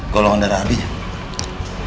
golongan darah ab nya